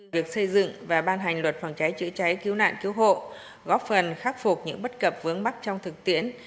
việc xây dựng và ban hành luật phòng cháy chữa cháy cứu nạn cứu hộ góp phần khắc phục những bất cập vướng mắc trong thực tiễn